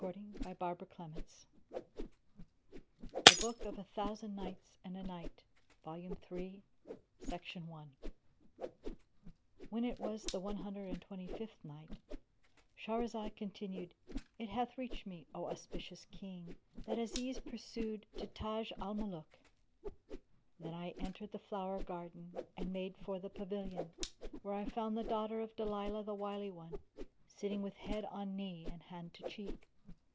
Tale of Kamar Al Zaman The Book Of The THOUSAND NIGHTS AND A NIGHT When it was the One Hundred and Twenty Fifth Night Shahrazad continued, It hath reached me, O auspicious King, that Aziz pursued to Taj al Muluk: Then I entered the flower garden and made for the pavilion, where I found the daughter of Dalilah the Wily One, sitting with head on knee and hand to cheek.